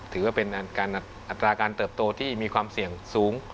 ถือว่าเป็นอัตราการเติบโตที่มีความเสี่ยงสูง